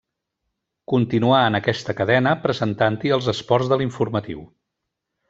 Continuà en aquesta cadena presentant-hi els esports de l'informatiu.